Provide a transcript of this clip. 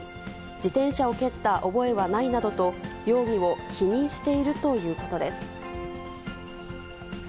自転車を蹴った覚えはないなどと、容疑を否認しているということです。